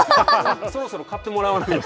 そろそろ勝ってもらわないと。